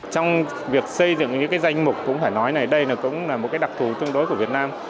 trong việc xây dựng những danh mục cũng phải nói này đây cũng là một đặc thù tương đối của việt nam